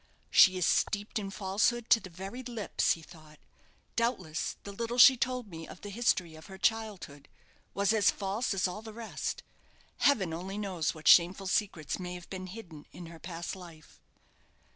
"She is steeped in falsehood to the very lips," he thought. "Doubtless, the little she told me of the history of her childhood was as false as all the rest. Heaven only knows what shameful secrets may have been hidden in her past life!"